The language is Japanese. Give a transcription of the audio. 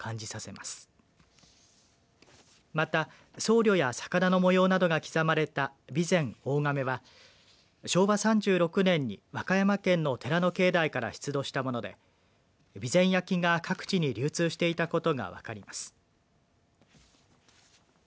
また僧侶や魚の模様などが刻まれた備前大甕は昭和３６年に和歌山県の寺の境内から出土したもので備前焼が各地に流通していたことが分かります。